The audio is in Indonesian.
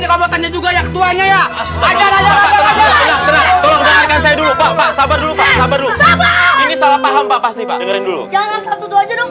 ini juga ya ketuanya ya sabar sabar dulu ini salah paham pasti dulu jangan satu duanya dong